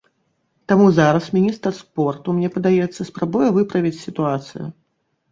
Таму зараз міністр спорту, мне падаецца, спрабуе выправіць сітуацыю.